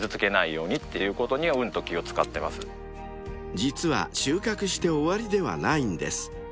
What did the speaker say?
［実は収穫して終わりではないんです］